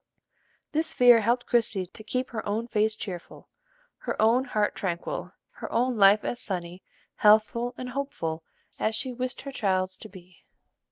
This fear helped Christie to keep her own face cheerful, her own heart tranquil, her own life as sunny, healthful, and hopeful as she wished her child's to be.